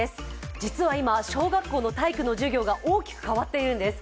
実は今、小学校の体育の授業が大きく変わっているんです。